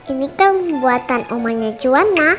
ini kan buatan omahnya juwana